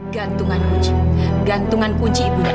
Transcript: gantungan kunci gantungan kunci ibunya